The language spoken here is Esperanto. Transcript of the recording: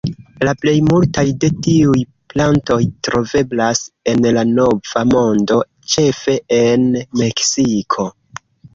La plej multaj de tiuj plantoj troveblas en la Nova Mondo, ĉefe en Meksiko.